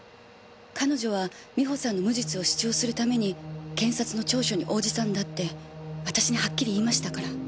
彼女は美穂さんの無実を主張するために検察の聴取に応じたんだって私にはっきり言いましたから。